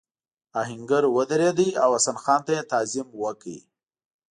آهنګر ودرېد او حسن خان ته یې تعظیم وکړ.